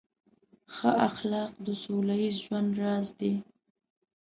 ښه اخلاق د سوله ییز ژوند راز دی.